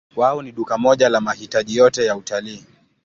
Wao ni duka moja la mahitaji yote ya utalii.